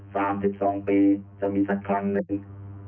๒๓๒ปีจะมีสักครั้งหนึ่ง